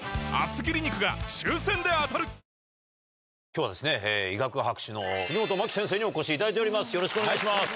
今日は医学博士の杉本真樹先生にお越しいただいております